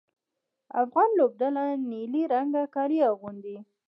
افغان لوبډله نیلي رنګه کالي اغوندي.